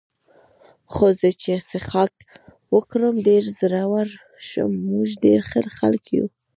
خو زه چې څښاک وکړم ډېر زړور شم، موږ ډېر ښه خلک یو.